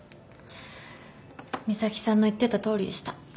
岬希さんの言ってたとおりでした。